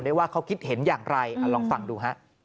ว่าเขาคิดเห็นอย่างไรลองฟังดูฮะ